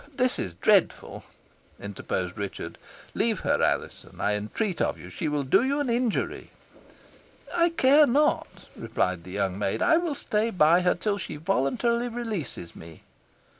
"This is dreadful," interposed Richard. "Leave her, Alizon, I entreat of you. She will do you an injury." "I care not," replied the young maid. "I will stay by her till she voluntarily releases me."